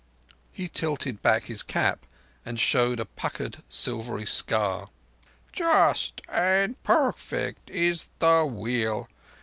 He tilted back his cap and showed a puckered silvery scar. "Just and perfect is the Wheel!